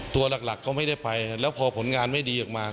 ตัวหลักก็ไม่ได้ไปแล้วพอผลงานไม่ดีออกมา